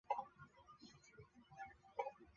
食蟹獴包括以下亚种